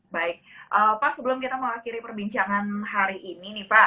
baik pak sebelum kita mengakhiri perbincangan hari ini nih pak